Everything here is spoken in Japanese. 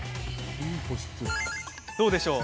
どうでしょう？